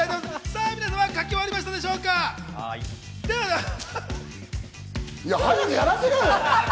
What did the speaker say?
皆様、書き終わりましたでし早くやらせろよ！